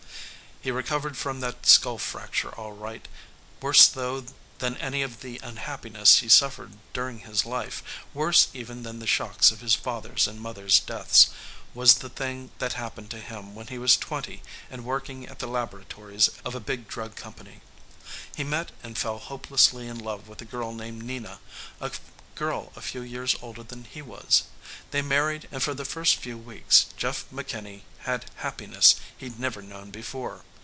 He recovered from that skull fracture, all right. Worse, though, than any of the unhappiness he suffered during his life, worse even than the shocks of his father's and mother's deaths, was the thing that happened to him when he was twenty and working at the laboratories of a big drug company. He met and fell hopelessly in love with a girl named Nina, a girl a few years older than he was. They married and for the first few weeks Jeff McKinney had happiness he'd never known before.